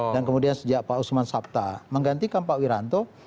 dan kemudian sejak pak usman sabta menggantikan pak wiranto